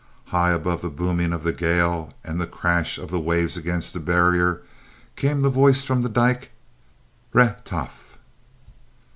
High above the booming of the gale and the crash of the waves against the barrier came the voice from the dyke, "Rehtaf."